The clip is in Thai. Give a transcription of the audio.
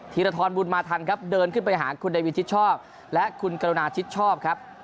ธีรทรบุญมาทันครับเดินขึ้นไปหาคุณเดวิชิดชอบและคุณกรุณาชิดชอบครับ